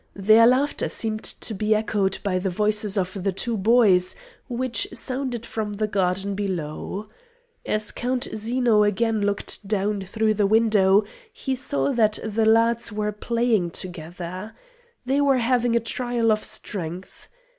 Their laughter seemed to be echoed by the voices of the two boys which sounded from the garden below. As Count Zeno again looked down through the window he saw that the lads were playing together. They were having a trial of strength.